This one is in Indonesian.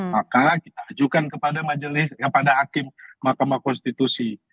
maka kita ajukan kepada akim mahkamah konstitusi